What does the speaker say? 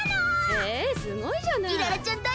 へえすごいじゃない！